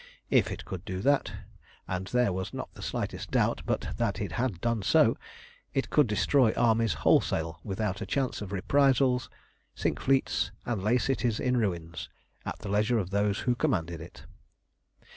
If it could do that, and there was not the slightest doubt but that it had done so, it could destroy armies wholesale without a chance of reprisals, sink fleets, and lay cities in ruins, at the leisure of those who commanded it.